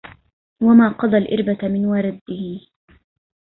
وما قضى الإِربةَ من وِردهِ